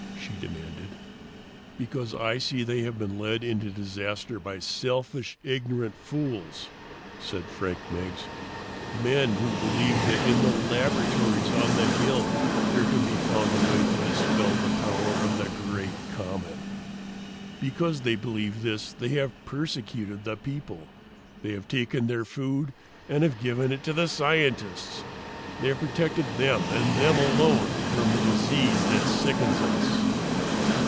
she demanded. "Because I see they have been led into disaster by selfish, ignorant fools," said Frank Meggs; "men who believe that in the laboratories on the hill there can be found a way to dispel the power of the great comet. Because they believe this, they have persecuted the people. They have taken their food and have given it to the scientists. They have protected them, and them alone, from the disease that sickens us.